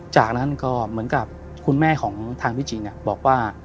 จากนั้นก็เหมือนกับคุณแม่ของทางพี่จริงบอกว่า